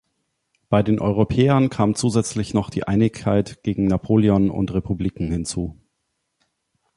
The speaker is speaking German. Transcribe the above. Bei den Europäern kam zusätzlich noch die Einigkeit gegen Napoleon und Republiken hinzu.